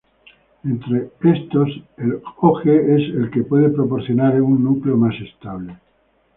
Entre estos, el Og es el que puede proporcionar un núcleo más estable.